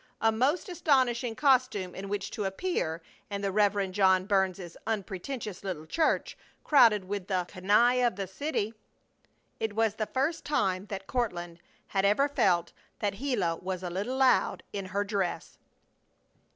A most astonishing costume in which to appear in the Rev. John Burns's unpretentious little church crowded with the canaille of the city! It was the first time that Courtland had ever felt that Gila was a little loud in her dress!